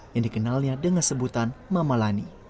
yang dikenalnya dengan sebutan mama lani